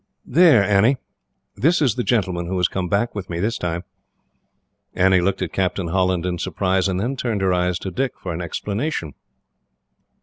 "There, Annie, this is the gentleman who has come back with me this time." Annie looked at Captain Holland in surprise, and then turned her eyes to Dick for an explanation.